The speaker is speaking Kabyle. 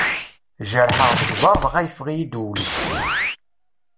Jerḥeɣ deg uḍar dɣa yeffeɣ-iyi-d uwles.